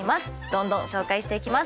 どんどん紹介していきます。